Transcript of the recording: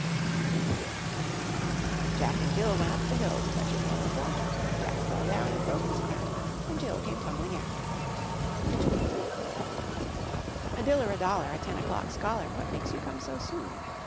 Jack and Jill went up the hill To fetch a pail of water; Jack fell down and broke his crown, And Jill came tumbling after. A dillar, a dollar, A ten o'clock scholar; What makes you come so soon?